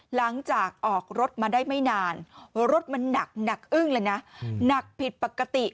หลังจากออกรถมาได้ไม่นานรถมันหนักหนักอึ้งเลยนะหนักผิดปกติ